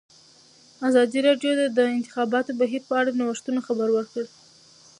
ازادي راډیو د د انتخاباتو بهیر په اړه د نوښتونو خبر ورکړی.